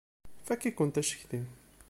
Fakk-ikent acetki!